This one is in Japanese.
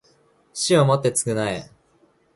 死をもって償え